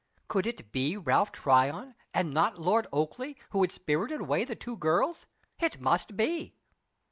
Could it be Ralph Tryon, and not Lord Oakleigh, who had spirited away the two girls? It must be.